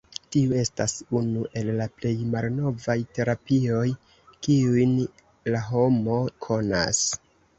Tiu estas unu el la plej malnovaj terapioj, kiujn la homo konas.